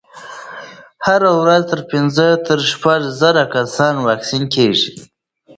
هره ورځ پنځه تر شپږ زره کسانو واکسین کېږي.